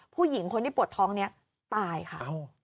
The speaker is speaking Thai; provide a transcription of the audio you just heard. ผู้หญิงคนที่ปวดท้องนี้ตายค่ะ